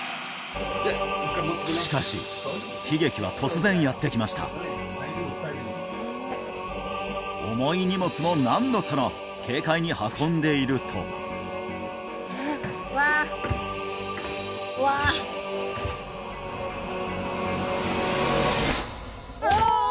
しかし悲劇は突然やって来ました重い荷物も何のその軽快に運んでいるとおお！